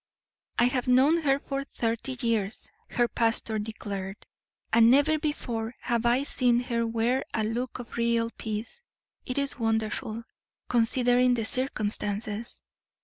"I have known her for thirty years," her pastor declared, "and never before have I seen her wear a look of real peace. It is wonderful, considering the circumstances.